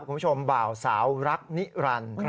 คุณผู้ชมบ่าวสาวรักนิรันดร์